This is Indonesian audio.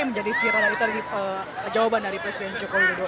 yang menjadi viral itu adalah jawaban dari presiden jokowi